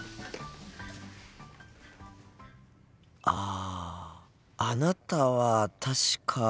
ああなたは確か。